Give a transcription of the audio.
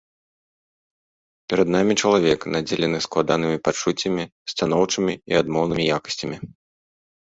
Перад намі чалавек, надзелены складанымі пачуццямі, станоўчымі і адмоўнымі якасцямі.